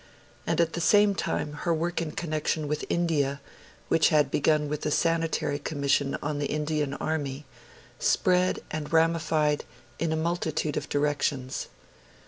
And at the same time her work in connection with India, which had begun with the Sanitary Commission on the Indian Army, spread and ramified in a multitude of directions.